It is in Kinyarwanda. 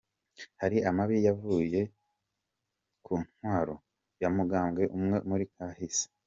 "Hari amabi yavuye ku ntwaro y'umugambwe umwe muri kahise.